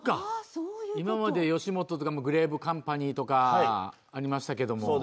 今まで吉本とか、グレープカンパニーとかありましたけども。